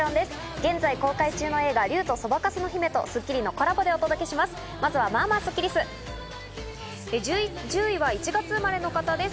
現在公開中の映画『竜とそばかすの姫』と『スッキリ』のコラボでお届けします。